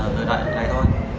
thời đại này thôi